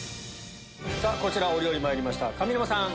こちらお料理まいりました上沼さん。